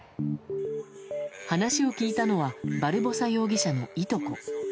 話を聞いたのはバルボサ容疑者のいとこ。